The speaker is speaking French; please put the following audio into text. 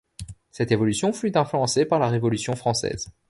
Cette évolution fut influencée par la Révolution française.